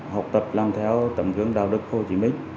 học tập làm theo tầm dưỡng đạo đức hồ chí minh